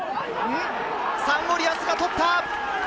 サンゴリアスが取った。